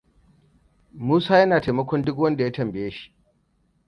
Musa yana taimakon duk wanda ya tambaye shi.